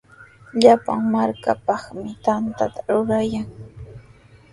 Llapan markapaqmi tantata rurayan.